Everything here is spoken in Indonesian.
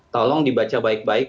tolong dibaca baik baik